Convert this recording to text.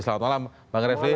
selamat malam bang refli